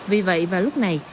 vì vậy vào lúc này